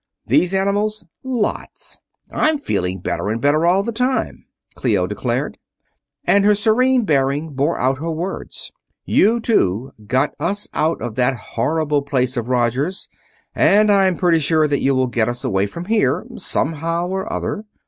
"These animals, lots. I'm feeling better and better all the time," Clio declared, and her serene bearing bore out her words. "You two got us out of that horrible place of Roger's, and I'm pretty sure that you will get us away from here, somehow or other.